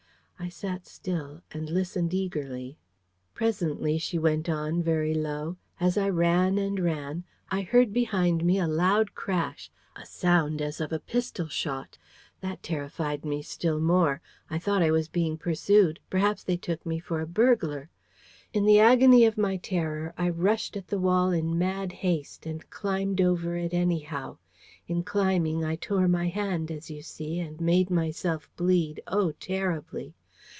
I sat still, and listened eagerly. "Presently," she went on, very low, "as I ran and ran, I heard behind me a loud crash a sound as of a pistol shot. That terrified me still more. I thought I was being pursued. Perhaps they took me for a burglar. In the agony of my terror, I rushed at the wall in mad haste, and climbed over it anyhow. In climbing, I tore my hand, as you see, and made myself bleed, oh, terribly!